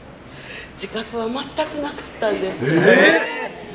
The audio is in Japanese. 自覚は全くなかったんですけど。